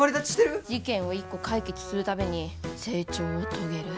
事件を一個解決する度に成長を遂げる。